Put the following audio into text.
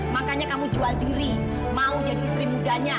makanya kamu jual diri mau jadi istri mudanya